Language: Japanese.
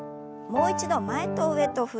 もう一度前と上に。